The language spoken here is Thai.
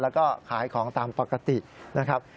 แล้วก็ขายของตามปกตินะครับ